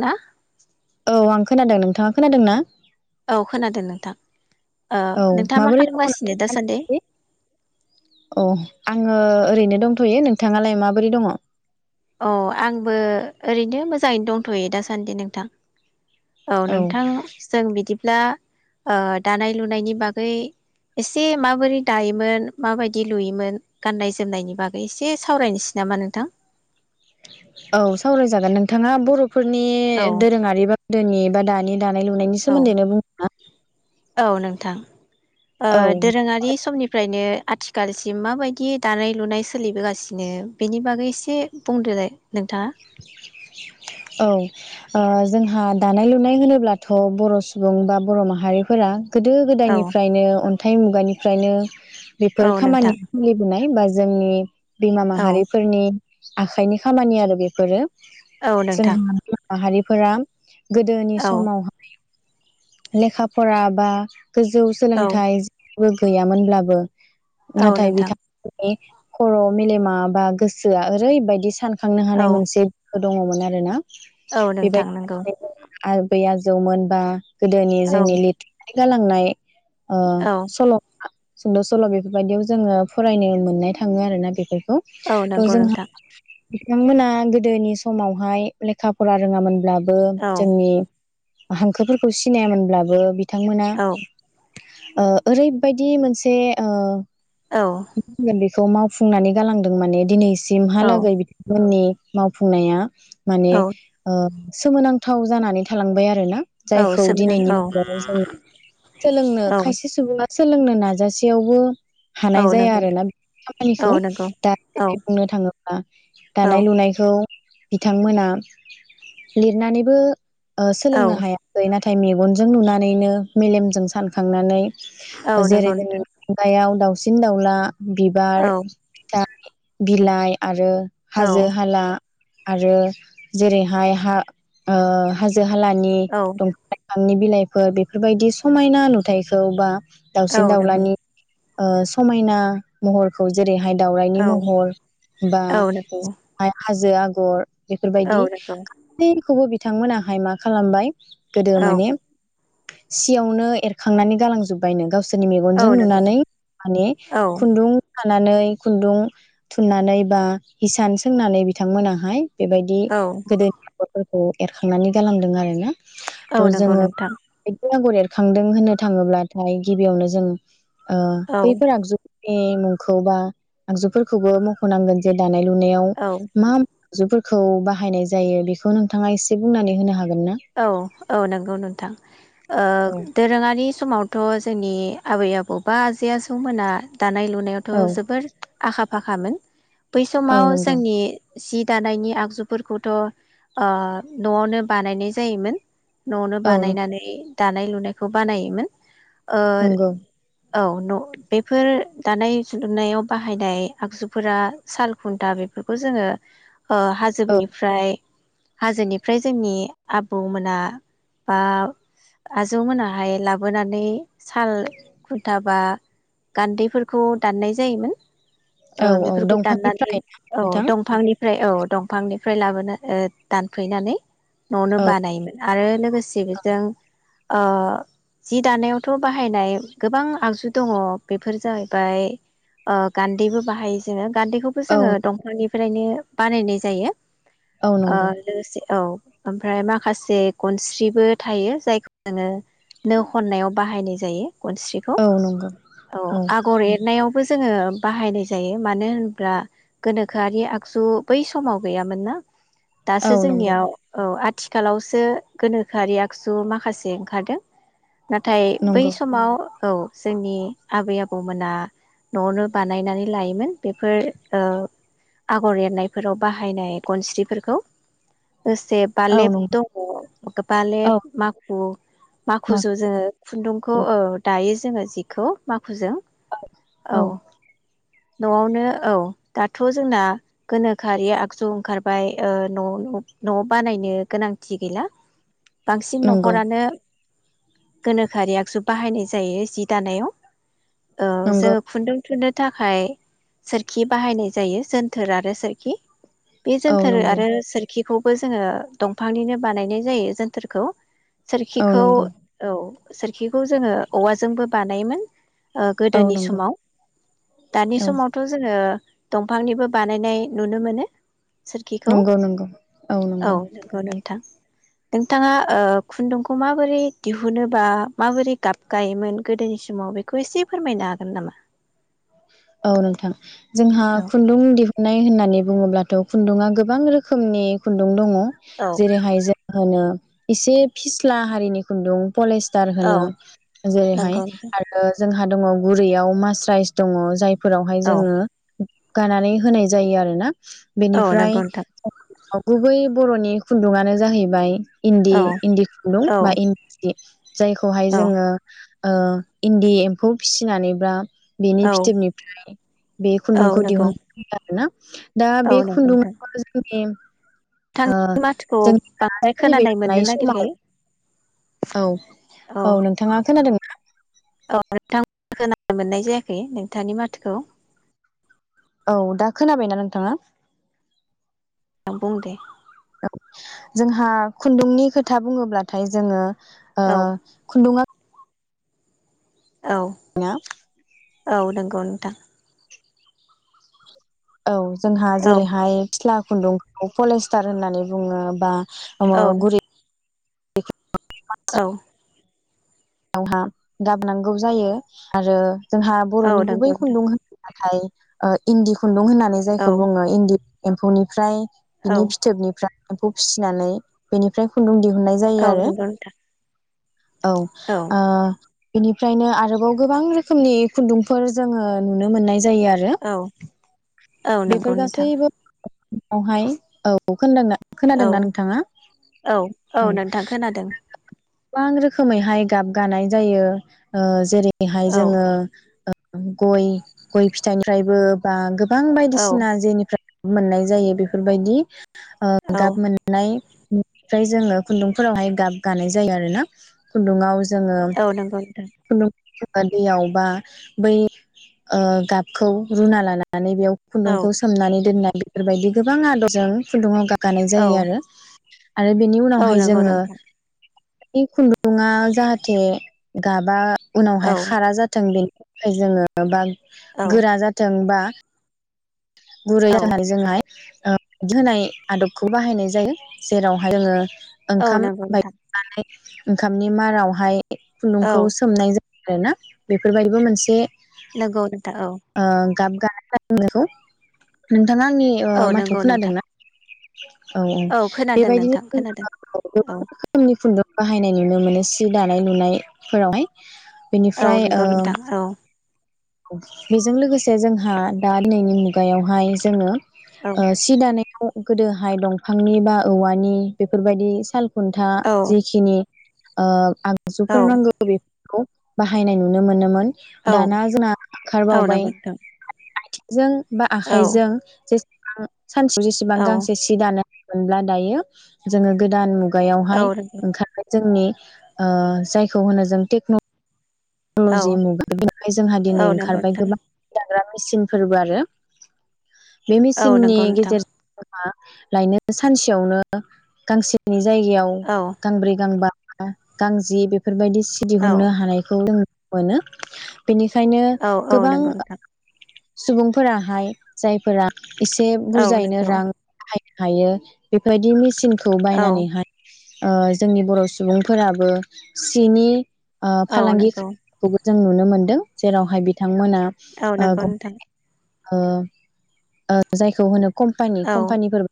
ना औ आं खोनादों नोंथाङा खोनादों ना औ खोनादो नोंथां ओ औ नोंथाङा मा माबोरै दङ खालामगासिनो दासान्दै नोंथाङा? औ आङो ओरैनो दंथ'यो नोंथाङालाय माबोरै दङ अ आंबो ओरैनो मोजाङैनो दंथ'यो दासान्दि नोंथां औ नोंथां जों बिदि ब्ला ओ दानाय लुनायनि बागै एसे माबोरै दायोमोन माबायदि लुयोमोन गाननाय जोमनायनि बागै एसे सावरायनिसै नामा नोंथां औ सावरायजागोन नोंथाङा बर फोरनि औ दोरोङारि बा गोदोनि दानि दानाय लुनायनि औ सोमोन्दैनो बुंना औ नोंथां ओ दोरोङारि समनिफ्रायनो आथिखालसिम माबायदि दानाय लुनाय सोलिबोगासिनो बेनि बागै एसे बुंदोलाय नोंथाङा औ ओ जोंहा दानाय लुनाय होनोब्लाथ' बर' सुबुं बा बर' माहारिफोरा गोदो औ गोदायनिफ्रायनो अन थाइ मुगानिफ्रायनो औ बेफोर नोंथां खामानि सोलिबोनाय बा जोंनि बिमा औ माहारिफोरनि आखाइनि खामानि आरो बे फोरो औ जों नोंथां मा माहारिफोरा गोदोनि औ समावहाय लेखा फरा बा गोजौ औ सोलोंथाइ गैयामोनब्लाबो औ नाथाय नोंथां बिथांनि खर' मेलेमा बा गोसोआ ओरैबायदि सान खांनो औ हानाय मोनसे दङमोन आरोना औ नोंथां नंगौ बेबायदि आबै आजौ मोनबा गोदोनि औ जोंनि लिट गालांनाय ओ औ सल' सुंद' सल' बेफोरबायदियाव जोङो फरायनो मोननाय थाङो आरोना बेफोर खौ औ थ' नंगौ जोंहा नोंथां बिथांमोना गोदोनि समावहाय लेखा फरा रोङामोनब्ला औ जोंनि हांखोफोर सिनायामोनब्लाबो बिथांमोना औ ओ ओरैबायदि मोनसे ओ औ [unintelligible] खौ मावफुंनानै गालांदों माने दिनै औ सिमहालागै बिथांमोननि मावफुंनाया माने औ ओ सोमोनांथाव जानानै थालांबाय आरोना औ जायखौ सोमोनां दिनैनि औ जुगाव जों सोलोंनो औ खायसे सुबङा सोलोंनो नाजासेयावबो औ हानाय जाया नंगौ आरोना औ खामानिखौ नंगौ दा औ जेरै बुंनो थाङोब्ला औ दानाय लुनायखौ बिथांमोना लिरनानैबो ओ औ सोलोंनो हाया नाथाय मेगनजों नुनानैनो मेलेमजों सानखांनानै औ नंगौ जेरै जोंनि नोंथां मुगायाव दाउ दावसिन दाउला औ बिबार गाय बिलाइ आरो औ हाजो हाला आरो जेरैहाय हा ओ हाजो हालानि औ [unintelligible] बिलाइफोर बेफोरबायदि समायना नुथायाइखौ बा औ दाउसिन नंगौ दाउलानि ओ समायना महरखौ जेरैहाय दाउरायनि औ महर बा औ नंगौ [inaudible] हाजो आ गर औ नंगौ औ बेफोरबायदि नंगौ गासैखौबो बिथांमोनाहाय मा खालामबाय गोदो औ माने सियावनो एरखांनानै गालांजोब्बायनो गावसो रनि औ मेगनजों नुनानै माने खुन्दुं नानै खुन्दुं थुननानै बा हिसान सोंनानै बिथांमोनाहाय बेबायदि गोदोनि [inaudible] औ एरखांनानै गालांदों आरो ना थ' नंगौ जोङो नोंथां औ [inaudible] खांदों होननो थाङोब्लाथाय गिबियावनो जों ओ बैफोर आगजु नि मुंखौ बा आगजुफोरखौबो मख'नांगोन जे दा नाय लुनायाव मा जुफोरखौ बाहायनाय जायो बेखौ नोंथाङा एसे बुंनानै होनो हागोन ना औ औ औ नंगौ नोंथां ओ औ दोरोङारि समावथ' जोंनि आबै आबौ बा आजै आजौमोना दानाय औ लुनायावथ' जोबोर आखा फाखामोन बै औ समाव नंगौ जोंनि सि दानायनि आगजुफोरखौथ' ओ न'आवनो बानायनाय जायोमोन न'वोनो औ बानायनानै दानाय लुनायखौ बानायोमोन ओर नंगौ औ न' बेफोर दानाय जुुनायाव बाहायनाय आगजुफोरा साल खुन्था बेफोरखौ जोङो ओ औ हाजोनिफ्राय हाजोनिफ्राय जोंनि आबौ मोना बा आजौमोनाहाय लाबोनानै साल खुन्था बा गान्दैफोरखौ दाननाय जायोमोन ओ औ औ बेफोरखौ दाननानै दंफांनिफ्राय औ नोंथां दंफांनि ओमफ्राय औ दंफांनिफ्राय लाबोनो ओ दानफैनानै न'आवनो औ बानायोमोन आरो लोगोसे बेजों ओ जि दानायावथ' बाहायनाय गोबां आगजु दङ बेफोर जाहैबाय ओ गान्दैबो बाहायो जोङो गान्दैखौबो औ जोङो दंफांनिफ्रायनो बानायनाय जायो औ ओ नंगौ लोगोसे औ ओमफ्राय माखासे गनस्रिबो थायो जायखौ जोङो नो खननायाव बाहायनाय जायो गनस्रिखौ औ नंगौ औ आगर एरनायाव खौबो जोङो बाहायनाय जायो मानो होनोब्ला गोनोखोआरि आगजु बै समाव गैयामोन ना औ दासो नंगौ जोंनियाव औ आथिखालावसो गोनोखोआरि आगसु माखासे ओंखारदों नाथाय बै नंगौ समाव औ जोंनि आबै आबौमोना न'आवनो बानायनानै लायोमोन बेफोर ओ आगर एरनायफोराव बाहायनाय गनस्रिफोरखौ जे औ बाालेब नंगौ दङ औ बालेब माखु मा माखुजों जोङो खुन्दुंखौ औ दायो जोङो जिखौ मा माखुजों औ न'आवनो औ दाथ' जोंना गोनोखोआरि आगजु ओंखारबाय ओ न' न'आवनो न'आव बानायनो गोनांथि गैला बांसिन नंगौ न'खरानो गोनोखोआरि आगजु बाहायनाय जायो जि दानायाव औ नंगौ जोङो खुन्दुं थुनो थाखाय सोरखि बाहायनाय जायो जोनथोर आरो सोरखि बे औ जोनथोर नंगौ आरो सोरखि बेखौबो जोङो दंफांनिनो बानायनाय जायो जोनथोरखौ औ सोरखिखौ नंगौ औ सोरखिखौ जोङो औवाजोंबो बानायोमोन ओ औ गोदोनि नंगौ समाव दानि औ समावथ' जोङो दंफांनिबो बानायनाय नुनो मोनो सोरखिखौ नंगौ नंगौ औ नंगौ नोंथां नोंथाङा ओ खुन्दुंखौ माबोरै दिहुनोबा माबोरै गाबगायोमोन गोदोनि समाव बेखौ एसे फोरमायनो हागोन नामा औ नोंथां जोंहा औ खुन्दुं दिहुन नाय होननानै बुङोब्लाथ' खुन्दुङा गोबां रोखोमनि खुन्दुं दङ औ जेरैहाय जों होनो एसे फिस्ला हारिनि खुन्दुं पलेस्टार औ होनो जेरैहाय नंगौ नोंथां आरो जोंहा दङ गुरैयाव मास्राइस दङ जाय फोरावहाय औ जोङो गानानै होनाय जायो आरो ना औ बेनिफ्राय नंगौ नोंथां गुबै बर'नि खुन्दुङानो जाहैबाय इन्दि औ इन्दि खुन्दुं औ बा इन्दि जायखौहाय औ जोङो ओ इन्दि एम्फौ फिसिनानै‌ बा बेनि औ फिथोबनिफ्राय बे औ खुन्दुंखौ नंगौ दिहुन ना दा औ बे नंगौ नोंथां खुन्दुङाव जोंनि ओ नोंथांनि माथोखौ जोंनि दा बांद्राय सोलिबाय खोनानाय मोननो थानाय समाव नागिरखाय औ औ नोंथाङा खोनादोंना औ नोंथां खोनानो मोननाय जायाखै नोंथांनि माथोखौ औ दा खोनाबायना नोंथाङा बुं दे [unintelligible] औ जोंहा खुन्दुंनि खोथा बुङोब्लाथाय जोङो ओ औ खुन्दुंआ औ [unintelligible] औ नंगौ नोंथां औ जोंहा औ जेरैहाय फिथ्ला खुन्दुंखौ पलेस्टार होननानै बुङो बा आ औ गुर [unintelligible] ए [unintelligible] औ हा गाबनांगौ जायो आरो जोंहा औ बर'नि गुबै नंगौ नोंथां खुन्दुं होनो बाथाय ओ इन्दि खु खुन्दुं होननानै औ जायखौ बुङो इन्दि एम्फौनिफ्राय औ बिनि फिथोबनिफ्राय एम्फौ फिसिनानै बेनिफ्राय खुन्दुं दिहु औ नोंगौ नोंथां औ बेनिफ्रायनो आरोबाव गोबां रोखोमनि खुन्दुंफोर जोङो नुनो मोननाय जायो आरो औ औ नंगौ बेफोर नोंथां गासैबो [unintelligible] हाय औ खोनादना औ औ औ नोंथां खोनादों गोबां रोखोमैहाय गाब गानाय जायो ओ जेरै बेहाय औ जोङो ओ उम गय गय फिथाइनिफ्रायबो बा गो बां औ बायदिसिना जेनिफ्रा मोननाय जायो बेफोरबायदि। ओ औ गाब मोननाय बेनिफ्राय जोङो खुन्दुंफोरावहाय गाब गानाय जायो आरो ना खुन्दुङाव जोङो औ नंगौ नोंथां खुन्दुं दैयाव बा बै ओ गाबखौ रुना लानानै बेयाव औ खुन्दुंखौ सोमनानै दोननाय बि बेफोरबायदि गोबां आदबजों खुन्दुङाव गाब गानाय औ जायो आरो आरो बिनि औ उनावहाय नंगौ नोंथां जोङो खुन्दुङा जाहा थे गाबा औ उनावहाय खारा जाथों बेनि फ्राय जोङो बा औ गोरा जाथों बा गुरै औ [unintelligible] जोंहाय [inaudible] होनाय आदबखौ बाहायनाय जायो जेरावहाय जोङो औ ओंखाम नंगौ नोंथां [inaudible] ओंखामनि मारावहाय खुन्दुं औ खौ सोमनाय जा आरोना बेफोरबायदिबो मोनसे नंगौ नोंथां औ ओ गाब गा [unintelligible] नोंथाना आंनि ओ औ माथोखौ नंगौ खोनादों नोंथां ना [inaudible] औ खोनादों नोंथां बेबायदिनो खोनादों औ [unintelligible] बाहायनाय नुनो मोनो सि दानाय लुनायफोरावहाय औ बेनिफ्राय नंगौ ओ नोंथां औ बेजों लोगोसे जोंहा दा दिनैनि मुगायावहाय जोङो औ ओ सि दानायाव गोदोहाय दंफांनि बा औवानि बेफोरबायदि साल खुन्था औ जिखिनि ओ आं औ [unintelligible] बाहायनाय नुनो मोनोमोन औ दाना जोंना औ ओंखारबावबाय नोंगौ नोंथां जों बा औ आखाइजों उम सानसेयाव जेसेबां औ गांसे सि दानो मोनब्ला दायो जोङो गोदान मु औ गायावहाय नंगौ ओंखारनो जोंनि ओ जायखौ होनो जों टेक्न' औ लजि [inaudible] जोंहा औ दिनै नंगौ ओंखारबाय नोंथां गोबां [unintelligible] ग्रा मेसिन फोरबो आरो बे औ मिचिननि नंगौ नोंथां गेजेरजों आ लायनो सानसेयावनो गांसेनि जायगायाव औ गांब्रै गांबा गांजि बे बेफोरबायदि सि औ दिहुननो हानायखौ जों मोनो बेनिखायनो औ औ गोबां नंगौ नोंथां सुबुंफोराहाय जायफोरा एसे औ बुरजायैनो नंगौ रां हायो हायो बेबायदि मेसिन खौ औ बायनानैहाय ओ जोंनि बर' सुबुंफोराबो सिनि ओ औ फालांगि नंगौ खौबो जों नुनो मोनदों जेरावहाय बिथां मोना औ ओ नंगौ नोंथां ओ ओ जायखौ होनो कम्पानि औ कम्पानिफोर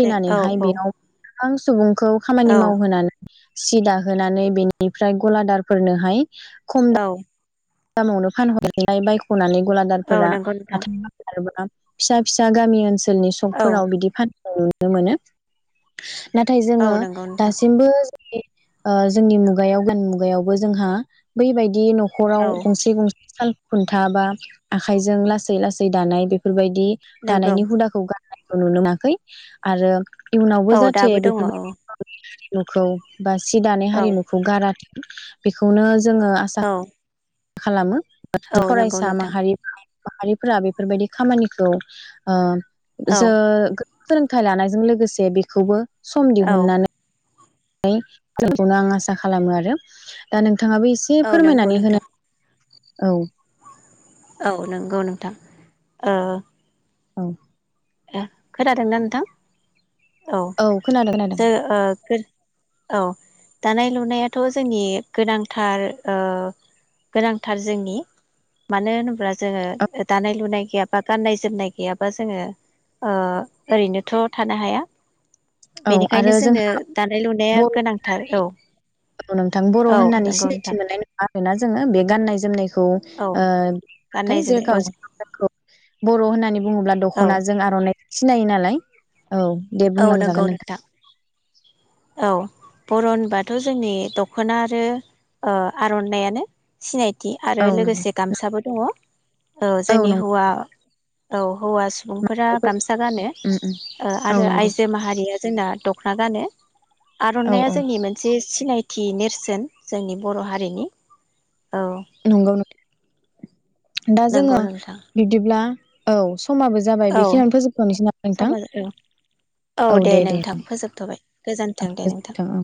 जे औ औ बेयाव गोबां सुबुं खौ खामानि औ मावहोनानै सि दाहोनानै बेनिफ्राय गलादारफोरनोहाय खम औ दामावनो फानहरनायलाय बायख'नानै औ गलादारफोरा नंगौ नोंथां [unintelligible] फिसा फिसा गामि ओनसोल लनि औ सकफोराव बिदि फाननाय नुयो नो यययमोनो नाथाय औ जोङो नंगौ नोंथां दासिमबो ओ जोंनि मुगायाव गोदान मुगायावबो जोंहा बैबायदि न' हराव औ गंसे गंसे साल खुन्था बा आखाइजों लासै लासै दानाय बेफोरबायदि जि नंगौ दानायनि हुदाखौ गार खौ नुनो मोनाखै आरो इयुनावबो औ जाहाथे दाबो दङ औ बेफोरबायदि नखौ बा सि दानाय औ हारिमुखौ गाराथों बेखौनो जोङो आसा औ मा खालामो औ नंगौ फरायसा नोंथां माहारि [unintelligible] माहारिफोरा बेफोरबायदि खामानिखौ ओ औ ज सोलोंथाइ लानायजों लोगोसे बेखौबो सम औ दिहुननानै खौनो आं आसा खालामो आरो दा नों नोंथाङाबो एसे औ नंगौ फोरमायनानै नोंथां होनो औ औ नंगौ नोंथां ओ औ ए खोनादोंना नोंथां औ खोनादों खोनादों ज औ दानाय लुनायाथ' जोंनि गोनांथार ओ गोनांथार जोंनि मानो होनोब्ला जोङो दानाय लुनाय गैयाबा गाननाय जोमनाय गैयाबा जोङो ओ ओरैनोथ' थानो हाया औ बेनिखायनो आरो जोंनो जोंहा दानाय लुनाया बर' गोनांथार औ होननानै औ नोंथां बर' औ होननानै नंगौ नोंथां सिनायथि मोननाय नङा आरोना जोङो बे गान्नाय जोमनायखौ औ ओ थाय गाननाय ज जोमनाय औ ज बर' होननानै बुङोब अब्ला औ दख'नाजों आर'नाइ सिनायो नालाय औ दे बुंलां नोंगौ नोंथां औ बर' होनबाथ' जोंनि दख'ना ओ आरो आर'नायानो सिनायथि बिदि आरो औ नंगौ लोगोसे गामसाबो दङ औ जोंनि हौवा औ हौवा सुबुंफोरा गामसा गानो उम उम ओ औ आरो नंगौ आइजो माहारिया जोंना दख'ना गानो औ आर'नाइया औ जोंनि मोनसे सिनायथि खाथि नेरसोन जोंनि बर' हारिनि औ नंगौ नोंथां दा नंगौ जोङो नोंथां बिदिब्ला औ समाबो जाबाय औ बेखिनियानो फोजोबथ'नोसै नामा नोंथां समाज औ औ दे दे नोंथां फोजोबथ'बाय गोजोन्थों दे नोंथां फोजोबथों औ